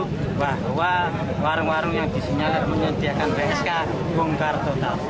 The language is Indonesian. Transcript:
bahwa warung warung yang disinyalir menyediakan psk bongkar total